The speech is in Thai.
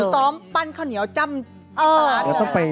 หนูซ้อมปั้นข้าวเหนียวจำบาร้าเลย